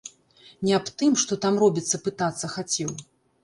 Не аб тым, што там робіцца, пытацца хацеў.